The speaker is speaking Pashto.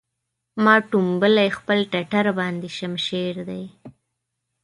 ما ټومبلی خپل ټټر باندې شمشېر دی